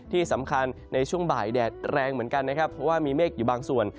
ที่สำคัญในช่วงบ่ายแดดแรงเหมือนกันนะครับเพราะว่ามีเมฆอยู่บางส่วน